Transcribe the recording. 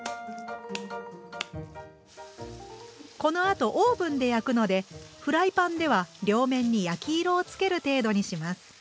このあとオーブンで焼くのでフライパンでは両面に焼き色をつける程度にします。